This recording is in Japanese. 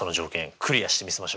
クリアしてみせましょう。